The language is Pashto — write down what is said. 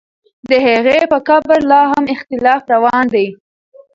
د هغې په قبر لا هم اختلاف روان دی.